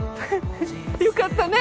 よかったね！